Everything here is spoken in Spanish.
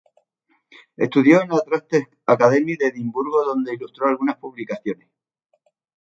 Estudió en la Trustees' Academy de Edimburgo, donde ilustró algunas publicaciones.